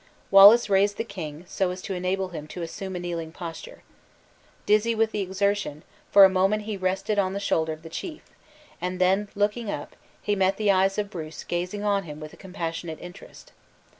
Wallace raised the king, so as to enable him to assume a kneeling posture. Dizzy with the exertion, for a moment he rested on the shoulder of the chief; and then looking up, he met the eyes of Bruce gazing on him with compassionate interest.